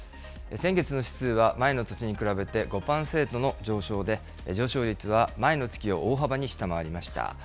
先月の指数は前の年に比べて５％の上昇で、上昇率は前の月を大幅に下回りました。